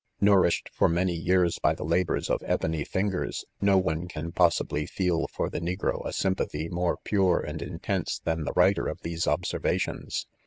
Nourished for many years by the labours of ebony fin gers, no one 6an possibly feel for the negro a sympathy more pure and intense than the writer of these observa tions.